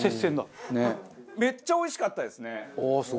めっちゃおいしかったですね。